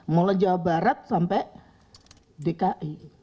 mulai jawa barat sampai dki